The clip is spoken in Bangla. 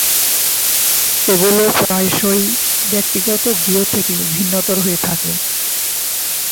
এগুলো প্রায়শই ব্যক্তিগত গৃহ থেকে ভিন্নতর হয়ে থাকে।